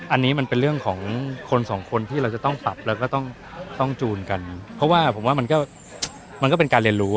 อันนี้มันเป็นเรื่องของคนสองคนที่เราจะต้องปรับแล้วก็ต้องจูนกันเพราะว่าผมว่ามันก็มันก็เป็นการเรียนรู้